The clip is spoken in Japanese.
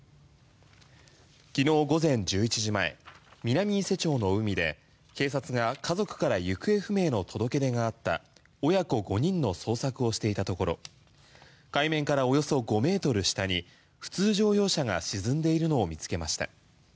昨日午前１１時前南伊勢町の海で警察が、家族から行方不明の届け出があった親子５人の捜索をしていたところ海面からおよそ５ｍ下に普通乗用車が沈んでいるのを見つけました。